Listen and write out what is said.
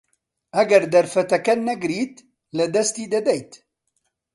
ئەگەر دەرفەتەکە نەگریت، لەدەستی دەدەیت.